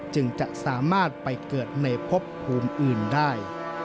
จึงจะสามารถไปเกิดในพบภูมิอื่นได้